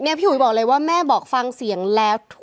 พี่อุ๋ยบอกเลยว่าแม่บอกฟังเสียงแล้ว